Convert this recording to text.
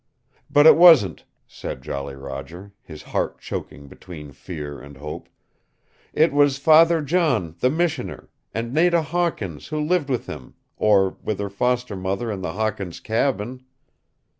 "But it wasn't," said Jolly Roger, his heart choking between fear and hope. "It was Father John, the Missioner, and Nada Hawkins, who lived with him or with her foster mother in the Hawkins' cabin."